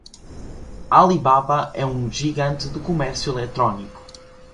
Alibaba é uma gigante do comércio eletrônico.